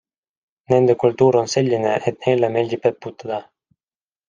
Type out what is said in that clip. Nende kultuur on selline, et neile meeldib eputada.